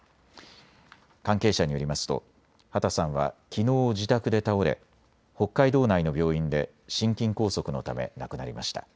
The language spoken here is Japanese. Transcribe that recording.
関係者によりますと畑さんはきのう自宅で倒れ、北海道内の病院で心筋梗塞のため亡くなりました。